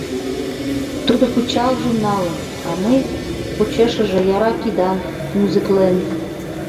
Тудо пычалжым налын, а мый почешыже яра кидан нюзыклем.